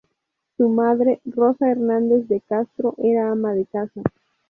Su madre, Rosa Hernández de Castro, era ama de casa.